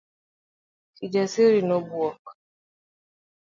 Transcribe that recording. Kijasiri nobuok.